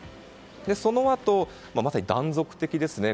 そのあと、まさに断続的ですね。